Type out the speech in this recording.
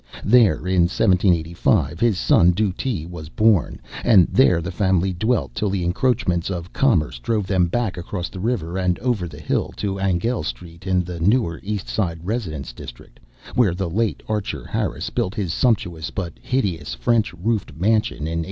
There, in 1785, his son Dutee was born; and there the family dwelt till the encroachments of commerce drove them back across the river and over the hill to Angell Street, in the newer East Side residence district, where the late Archer Harris built his sumptuous but hideous French roofed mansion in 1876.